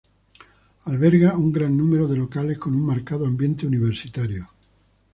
Alberga un gran número de locales con un marcado ambiente universitario.